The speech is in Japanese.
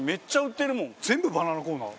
全部バナナコーナー。